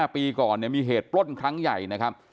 ปีก่อนมีเหตุปล้นครั้งใหญ่นะครับ